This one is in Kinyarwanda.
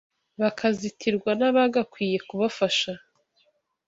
bakazitirwa n’abagakwiye kubafasha